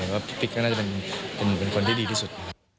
ว่าพี่ปิ๊กก็น่าจะเป็นคนที่ดีที่สุด